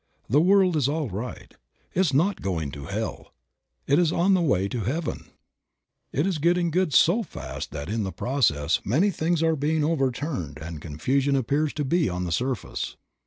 The world is all right; it is not going to Hell; it is on the way to Heaven. It is getting good so fast that in the process many things are being overturned and confusion appears to be on the surface.